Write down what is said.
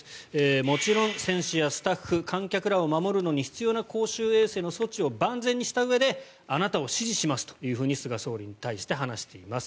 もちろん、選手やスタッフ観客を守るのに必要な公衆衛生の措置を万全にしたうえであなたを支持しますと菅総理に対して話しています。